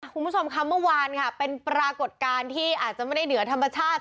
คุณผู้ชมค่ะเมื่อวานค่ะเป็นปรากฏการณ์ที่อาจจะไม่ได้เหนือธรรมชาติ